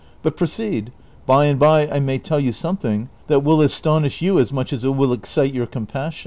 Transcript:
But proceed ; by and by I may tell you something that will astonish you as much as it will excite your compassion."